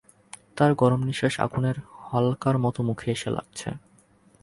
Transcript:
তার গরম নিশ্বাস আগুনের হালকার মতো মুখে এসে লাগছে।